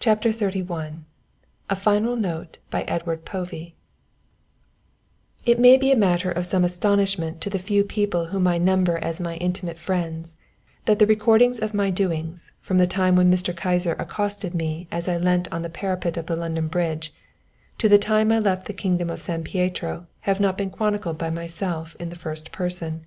CHAPTER XXXI A FINAL NOTE BY EDWARD POVEY It may be a matter of some astonishment to the few people whom I number as my intimate friends that the records of my doings from the time when Mr. Kyser accosted me as I leant on the parapet of London Bridge, to the time I left the kingdom of San Pietro, have not been chronicled by myself in the first person.